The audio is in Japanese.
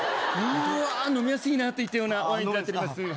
「飲みやすいな」といったようなワインになっております